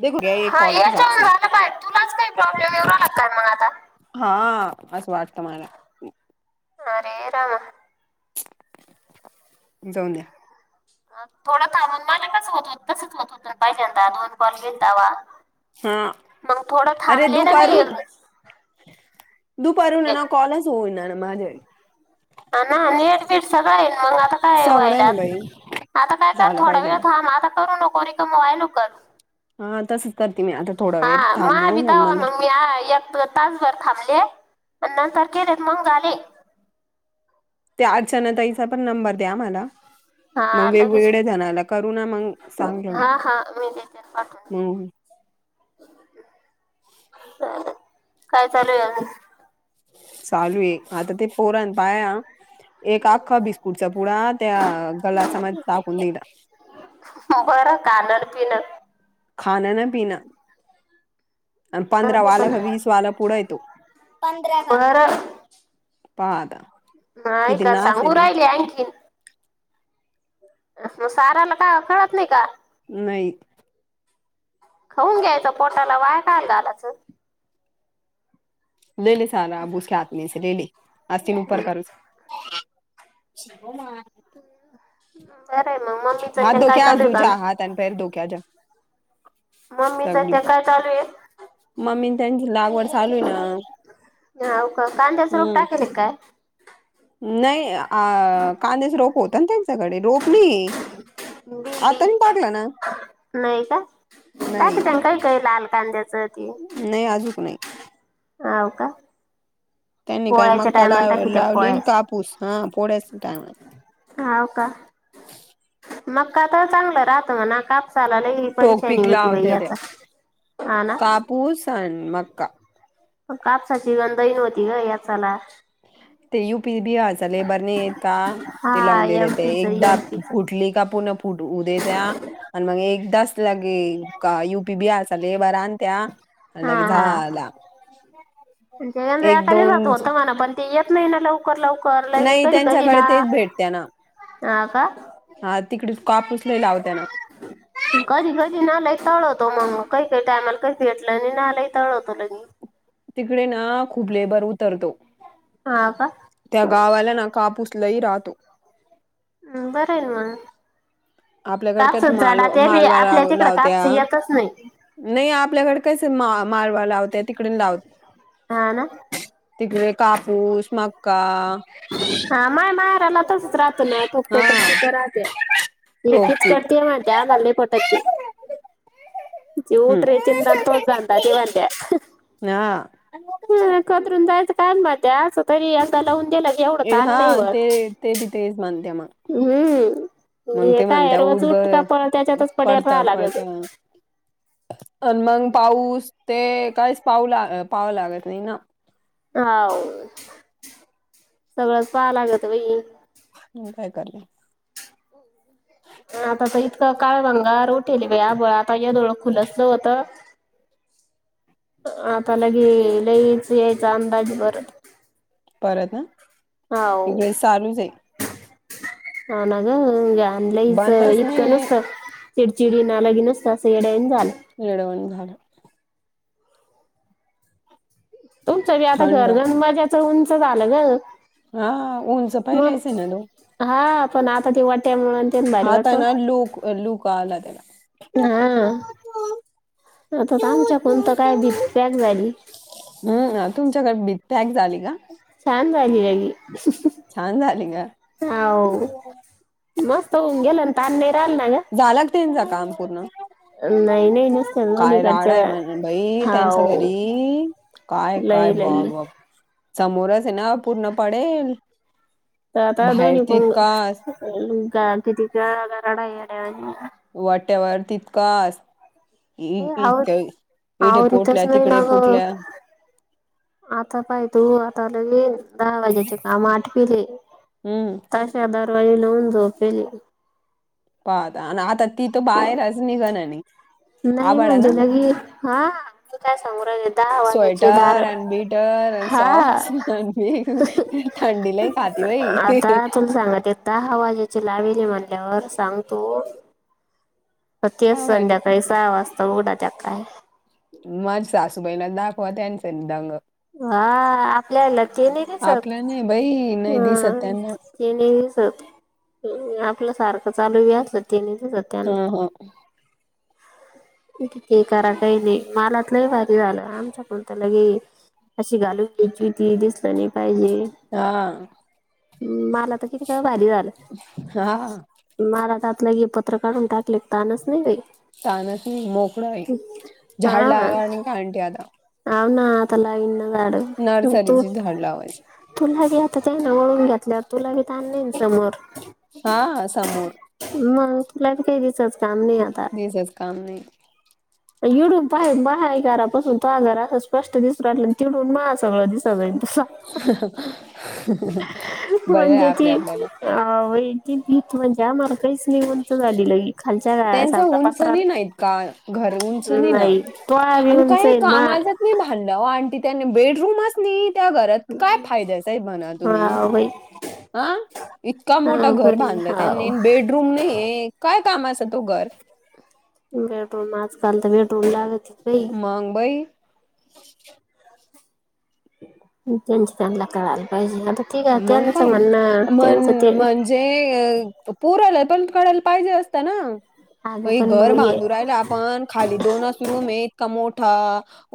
देखो गया ये हा कॉल के साथ याच्याऊन से आलं पाय तुलाच काही प्रॉब्लेम येवू राहिला काय मग आता हा. असं वाटत मला. अरे रामा! जाऊन द्या. हा. थोडं थांबून मला कसं होत होत तसच होत होत ना पाहिजे. दोन कॉल घेता वा. हा मग थोड अरे थांबले ना मी दुपार होईना कॉलच होइना माझे ह ना नीट बीड सग येन मग आता काय सगळं आहे व्हयला. ना बाई आता काय कर झालं थोडा पाहिजे वेळ ना थांब आता करू नको रीकाम [unintelligible] कर. हा आता करते मी थोडा वेळ हा मा थांबून आणि भीतावा नंतर ना मी एक तासभर थांबले. नंतर केलेत मग झाले. त्या अर्चनाताईचा पण नंबर द्या मला [inaudible] हा मग लगेच वेगवेगळ्या जणाला करू ना मग सांगलो मी हा हा मी देेते मग पाठवून काय चालू आहे अजून? चालू आहे आता ते पोरन पाया एक आख्खा बिस्कुटचा पुढ त्या गला समाज टाकून दिला. हो. बर कालर खाणं ना पिनं आणि जाऊ पंधरा दे वाला पण वीस वाला पुढं येतो. बरं पाद नाही का सांगू राहिले आणखीन मग साराला का कळत नाही का नाही. खाऊन घ्यायचं पोटाला वाया का घालाचं. गेले सारा [unintelligible] गेली. आज तिन परकासचं शिवमा [inaudible] मम्मीचं हात ते काय धेक्या चालू आहे का [unintelligible] हात आणि पेर धोके च्या र मम्मीचं सगळी ते काय चालू आहे मम्मी त्यांची लागवड चालू हाय ना ह कांद्याचं रूप हम्म टाकेल काय? नाही. अ कांद्याच रोप होत ना त्यांच्याकडे रोप नाही. बी बी आता नाही टाकला ना नाही का नाही त्यां काही काय लागल कांद्याचं नाही, अजूक नाही. अव का? त्यांनी काय पोळ्याच्या मक्का ला टायमाला टाकीते लावली पोळ्याचं कापूस हा पुोढ्याच टा हाव मक्का. तर चांगलं राहत म्हणा का टोक पिकलावते. ते हा ना कापूस आणि मका. कापसाची गण दहीन होती ग याचाला. ते यु पी बी हर चा लेबर नाही य का? ते हा लावून देतेत एमपीच एकदा एमपीच कुठली का पुना उद्या त्या आणि मग एक तास लगे का युपी बी असचा लेबर आणत्या हा हा ते गंज एक एका दिवसत दोन होत म्हणा पण. येत नाही ना लव लवकर लवकर ले नाही कधी कधी त्यांच्याकडे ना तेच भेटत्या ना हा का? हा तिकडे कापूस लय लावत्या ना कधी कधी ना लयक तळवतो म कय काय टायमला काई का ई येच लं आणि नालाही तळवत त्यांनी. तिकडे ना खूप लेबर उतरतो. हा का त्या गावाल्यांना कापूस लही राहतो. हम् बरंय न म. आपल्याकड कात माल मालवा ला आपल्या तिकडं लावत्या. कापस येतच नाही नाही आपल्याकडे कसे, मारवा लावते तिकडे लावत. हा ना तिकडे कापूस, मक्का हा माय माहेरला तसच राहतो ना. हा ठोकटोकच पिक राहते. हे ठोकपीक किचकट ते म्हणत म्हत्या आम्हाला नाही पटत ते- ते हम्म उतरेयचे. न तोच धंदा ते म्हणत्या. हा ह कदरून जायचं काय म त्या तरी अस लावून दिला. हा. ते ते बी तेच मानते मग. हम्म. मग हे ते काय म्हणत्या उठ रोज ग उट का प त्याच्यातच पड्याला राहाला ग. अ मग पाऊस ते काहीच पाऊ ला पावं लागत नाही ना? हा सगळंच पाहा लागत बाई. ह् काय करलं. आता तर इतकं काळभंगार उठले आभाळ. आता यदोळं खुलसलं होत. आता लगी लईच यायचा अंदाज बर. परत ना? इकडे चालूच आहे. हना ग ह अनलेैस बंदच इत नाहीये नुसतं. चिडचिडी नलगी नुसतं असं येड्यावानी झालं. येड्यावानी झाला. तुमचं बी आता थंड घरघन मजाचं उंच झालं ग. हा मग ऊनचफाईलायस ना तो. हा पण आता ते वाट आता ना लुक, लुक आला त्याला. हा. आता आमच्या कोणत काय भीत पॅक झाली. हम्म तुमच्याकडे बी पॅक झाली का? छान झाली बाई. छान झाले ग. हो मस्त होऊन गेलं ना ताण नाही राहिल ना ग झाला त्यांचा काम पूर्ण? नाही नाही नुसत्या काय राडा आहे म्हण, बाई दोन्हीकडच्या त्यांच्या हो घरी. काय काय लई ब लई वा समोरच आहे ना पूर्ण पडेल. तर आता बाहेर दोन्ही तितकाच प किती का रडाय येड्यावाणी. वॉट एवर्ह तितकं ए इ आवर इडेे आवरीतच पोटल्या नाही तिकडे ना ग फोटल्या आता पाय तू आता आ ले दहा वाज्याचे काम आठ पले हम्म तशा दरवाजे लावून झोपेले पाहता आणि आता ती तर बाहेरच निघन आणि नाही म्हणजे ल की हा तू काय समोर आ दहा वाजाचे स्वेटर दार आणि हा सॉक्स थंडी थंडी लय खाती बाई आता तुला सांगते दहा वाजेचे लावेले म्हणल्यावर सांगतो प्रत हा म्हणे संध्या का वाजत उघडत्या काय मज सासूबाई न दाखवा त्यानस दंग हा आपल्याला ते नाही स आपलं नाही बाई नाही दिसत त्यांना. हा ते आपल्या सारखं चालू व्याजलं तेनीच त्यां हं हं किती करा काही नाही मालातलंही भारी झालं आमच्या कोण त्याला गे अशी घालून घ्यायची ती दिसलं नाही पाहिजे हा मला तर किती का भारी हा झालं मला तर तलाग पत्र काढून टाकले ताानच नाही बा ानस नाही मोकळाय झाड हा लाग नाही का आणट आता हाव ना आतला इन झाड म तू नर्सरीची झाड लावायची तुलाे आताात नाळ घल्यावर तुला आण समोर हा समोर मग तुला काही दिसच काम ज सस काम नाही युडूब पा पहा आहे घरापासून तो आ घरा कष्ट दिस राहिलं तिटून मा सगळं दिस जाईन बरं आहे म्हणजे आपल्या ती आपल्याला अ व भीत म्हणजे मार्गईच निघूनच झालेलं आहे त्यां उंच नाही का घ उंच नाही न तो बी अन उंच काही आहे मा कामाचं नाही भांडण बेडरूमच नाही त्या घरात काय फायद्याच आहे म्हणा तुम्ही हा बाई हा इतका मोठा घर अवघड आहे बांधलं हाव त्यांनी बेडरूम नाही काय कामाच तू घर बेड्रूम आजकाल तर बेड्रूम लागत बाई मगबाई त्यांच त्यांला कळायला पाहिजे आता ठीक आहे मग काय त्यांचं म्हणणं त्यांचं मण ते म्हणजे अ पुूराला पण कढायला पाहिजे असतं ना अगं काही पण घर मग ये बांधून राहिलं आपण खाली दोनच रूम आहे इतका मोठा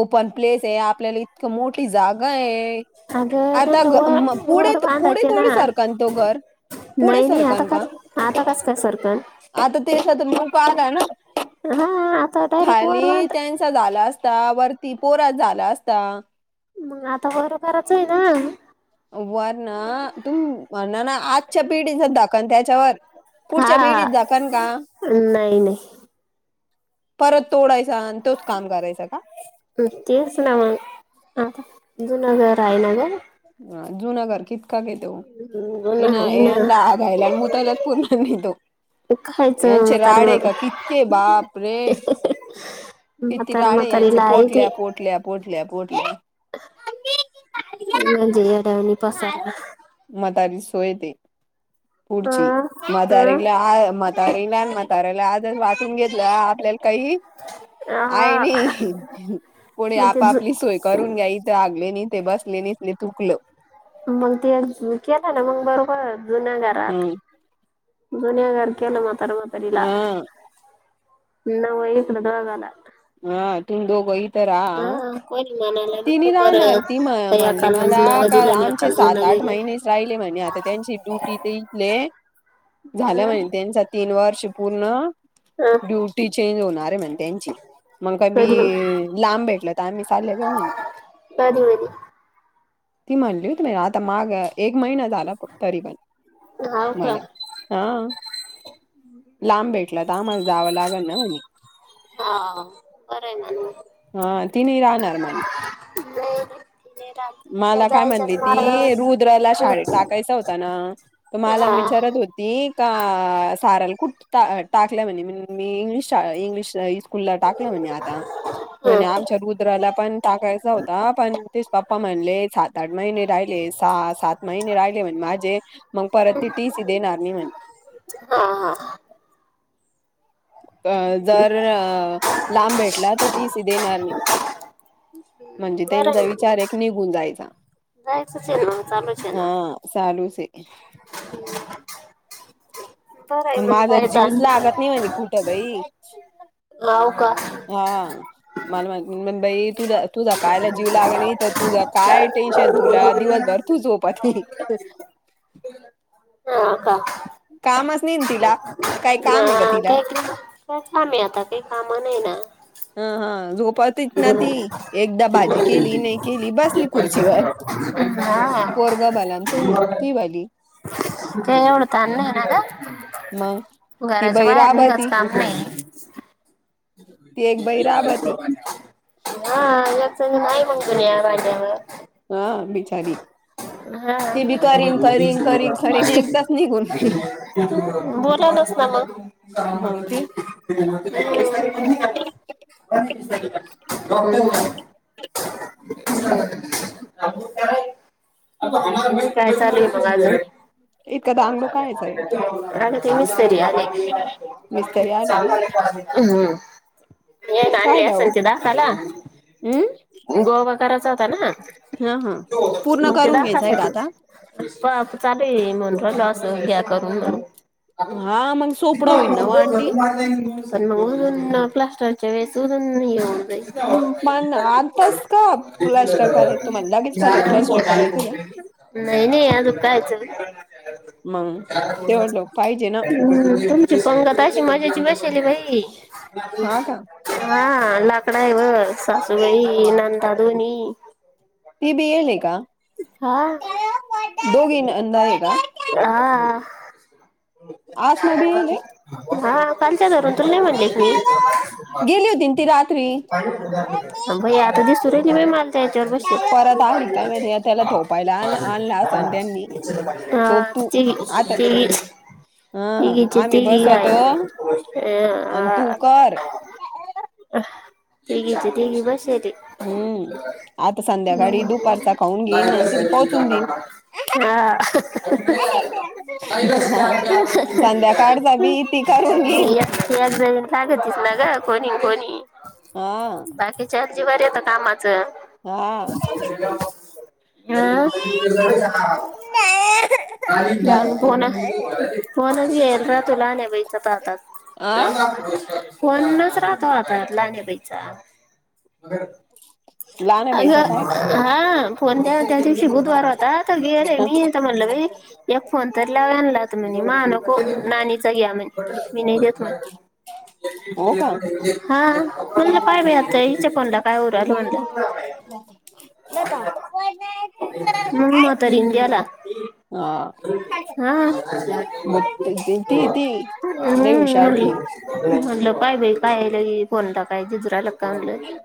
ओपन प्लेस आहे आपल्याला इतक मोठी जागा आहे अगं आता त्यांना वर पुढ वर पुढे बांधायचे थोड सरकन ना तो घर पुढे नाही नाही आता सरकन का कस आता कस काय सरकन आता त्यास मक आला ना हा आता डायरेक्ट वर खाली बांध त्यांचा झाला अस वरती पोरा झाला असता मग आता बरोबराच आहे ना वर ना तुम म्हणणा ना आजच्या पिढीचाधकन त्याच्यावर हा पुढच्या हा भेडीत द कणका नाही नाही परत तोडायच तीस ना म आता हिंदुूनगर रायनगर ह जुूनगर किती का घेतो जुन ये आहे ना हागायला अन मुतायला पूर्णर नाही तो. खायचं यांचे म्हातार राडे मग का कितके बाप रे कितीदा. म्हातार काळे यांचे म्हातारीला आहे ते. पोटल्या पोटल्या पोटल्या पोटल्या. यांच येड्यावाणी पसारा. सोयेत पुढची अं अं मातारला मातारला. म तारायला आजच वाटून घेतलं आपल्याला काही. आहेय हा नाही कोणी मग ते जु आपापली सोय करून घ्या इथ आगले नाही. ते बस लेनिसने तुकलो. मग ते केलं ना मग बरोबर जुन्या घरात. हम् दोनि गार केला माातार माातारला. हा नव एककड दोगला. हा तुम दोघ इथ रहा आ- कोणी म्हणायला नको तिने राहणार ती म परत या म्हणली कालच मला नाव का दिलं आणि या आमचे काल जुन सात आठ दिलं महिने राहिले. म्ह आता त्यांचीड्युटी ते इथले. झाल्या म्हहि त्यांचा तीन वर्ष पूर्ण ह ड्युटी चेंज होणार आहे म्ह. त्यांची. मग का मी कधी लांब भेटल तर आम्ही चालले जाऊ म्हणे. कधी मधी ती म्हणली होम आता माग एक महिना झाला तरी पण. हाव का मला हा. लांब भेटला तमच जावं लागल ना म्हणे. हा बर आहे ना. हा तिने राहणार म्हण. [inaudible] रात्री मला काय जायच्याच म्हणली ती रुद्रला मार्गावर शाळेत टाकायचा होता ना त मला हा विचारत. होती का साराला कुठ टाकल्या म्हणे म्ह मी इंग्लिश शा इंग्लिश [unintelligible] स्कूल ला टाकलं म्हणज ह आताण आमच्या रुद्राला पण टाकायचा होता पण. पप्पा म्हणले सात आठ महिने राहिले सात महिने राहिले म्हण माझे. मग परत ती टीच देणार नाही म्हण. हा हा अ जर अ लांब भेटला तर टीसी देणार नाही. म्हणजे त्यांचा विचार एक निघून जायचा. दाेतचताचालोच आहे. हा चालूच आहे [inaudible] बरं आहे आणि मग माझ काय ताण ज्यूच लागत नाही मा कुठं बाई. होव का. हा मलाई तू. तुझा कायला जीव लागल तर तुझा काय टेन्शन तुला दिवसभर तू झोपात. हो का. कामच नाही ना तिला काय ना काम आहे तिला का काय काम आहे आता काही काम नाही ना. हा हा. झोपतच ते ना ती एकदा भाजी केली नाही केली बसली खुर्चीवर. पोरगा भलं नी ती भली. ते एवड तना ना का. मग ती घराच्या बाई बाहेर निघच राबती काम नाही. ती एक ह बाई राबती नाही पण कर याज्यावर. हा बिचारी. ती बी करीन करीन करीन करीन एकदाच निघून बोलालच ना मग. मग ते [unintelligible] [unintelligible] [unintelligible] काय चालूय मघ अजून इतकं दांगडो कायच आहे अग ते मिस्तरी आले.. हम् मिस्तरी आले का हम्म. हग अंली राहिलं ओ. अससंत दाखला हम्म [unintelligible] गो [unintelligible] वा करायचा होता ना, हा हा [unintelligible] पूर्ण मग ते करून घ्यायचंय का दाखासाठी आता पाप चालू हे म्हणलं अस घ्या करून म हा मग जित सोपडा होईल ना ओ आंटी. घला [unintelligible] पण म उरुन म्हणून प्लास्टरच्या वेळेस ऊरून हे होईन. हम्म पण आताच का प्लॅस्टर करायच तुम्हाला [unintelligible] लगेच प्लॅस्टर करायचंय का? नाही नाही अजून करायचं बी मग तेवढ लोक पाहिजे ना. [unintelligible] तुमची पंगत अशी मज्ज्याची बसेल. हा का [unintelligible] [unintelligible] ता [unintelligible] धुनी ती बी येईले का हा. दोघी नंदा आहे का? [unintelligible] हा आस मदी येईले. हा कालच्या धरून तुला नाही म्हणलेन मी मी गेली होती ना ती रात्री. [unintelligible] [unintelligible] बाई आता दिसू दे ती माल त्याच्यावर बसेल. परत आली काय माहिती त्याला थोपायला आण आणला असन त्यांनी. झोप हा तू आता तिचे हा [unintelligible] तिघीचे आम्ही तिघी बसतो आहे अ आणि हा तू कर [unintelligible] हां तिघीचे तिघी बसेल. हम्म आता संध्याकाळी दुपारचा खाऊन नाही घेईन आणि तिला पोहोचून देईन [unintelligible] हा. [unintelligible] च [unintelligible] [unintelligible] हा संध्याकाळचा बी ती करून घेईन काय तर चुक लाग कोनी, कोनी, आ. जीवावर येतं कामाचं हम् [unintelligible] क्या फोन फोनच येईल तुला नेवायच पाहतात. आ लहान आहे [unintelligible] बाईचा अगं काय हा फोन त्या त्यादिवशी बुधवार होता आता गेले मी म्हणलं बाई एक फोन तर लाव यानंला म्हां नको नानीचा घ्या म्हण मी नाही घेत. हो का हा. म्हणलं पायं बाई यांचे तोंड पाहू राहिलो म्हटलं मग म्हातारीने दिला. हा हां ती ती ती हम्म लई हम्म हुशार ती म्हंणे म्हणलं पाय बाई कायली फोनता काय झिजराला का म्हणलं [unintelligible]